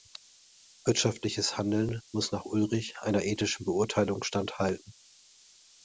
Wirtschaftliches Handeln muss nach Ulrich einer ethischen Beurteilung standhalten.